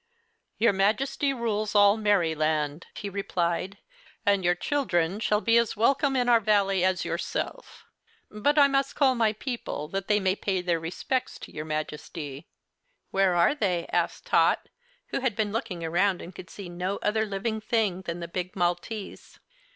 "Your Majesty rules all Merryland," he replied; "and your children shall be as welcome in our Valley as yourself. But I must call my people, that they may pay their respects to your Majesty." "Where are they?" asked Tot, who had been looking around and could see no other living thing than the big Maltese.